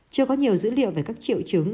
chưa có nhiều dữ liệu về các triệu chứng